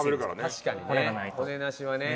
確かにね。